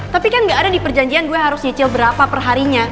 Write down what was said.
tapi kan gak ada di perjanjian gue harus nyicil berapa perharinya